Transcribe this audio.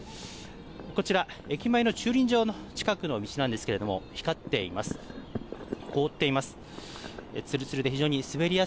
こちら、駅前の駐輪場の近くの道なんですけれども、光っています。